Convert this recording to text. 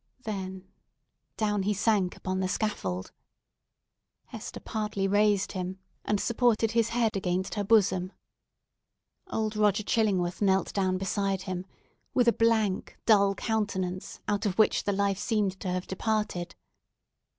Then, down he sank upon the scaffold! Hester partly raised him, and supported his head against her bosom. Old Roger Chillingworth knelt down beside him, with a blank, dull countenance, out of which the life seemed to have departed.